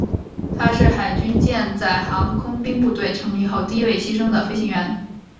他是海军舰载航空兵部队成立后第一位牺牲的飞行员。